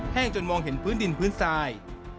จนมองเห็นพื้นดินพื้นทราย